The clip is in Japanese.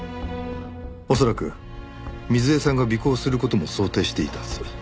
恐らく瑞枝さんが尾行する事も想定していたはず。